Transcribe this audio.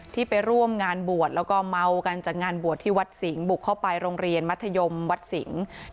ไปร่วมงานบวชแล้วก็เมากันจากงานบวชที่วัดสิงห์บุกเข้าไปโรงเรียนมัธยมวัดสิงศ์